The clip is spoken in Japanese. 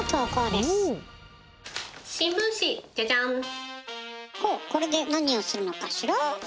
最後はほうこれで何をするのかしら？